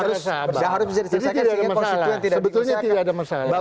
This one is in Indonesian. menyelesaikan persoalannya itu menjadi isyarat p tiga ini memang harapan untuk bisa menjadi tetap